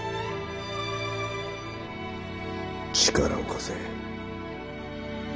力を貸せ。